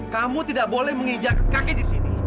kamu tidak boleh menginjak kakek di sini